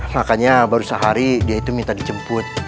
makanya baru sehari dia itu minta dijemput